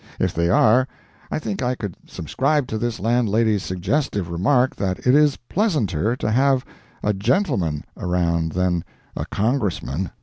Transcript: If they are, I think I could subscribe to this landlady's suggestive remark that it is pleasanter to have a "gentleman" around than a Congressman.